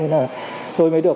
nên là tôi mới được